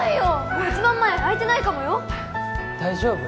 もう一番前空いてないかもよ大丈夫？